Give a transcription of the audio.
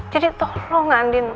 jadi tolong andin